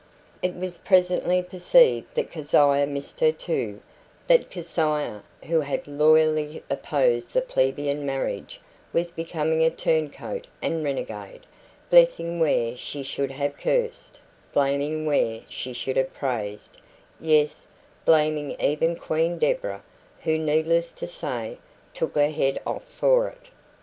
It was presently perceived that Keziah missed her too that Keziah, who had loyally opposed the plebeian marriage, was become a turncoat and renegade, blessing where she should have cursed, blaming where she should have praised yes, blaming even Queen Deborah, who, needless to say, took her head off for it.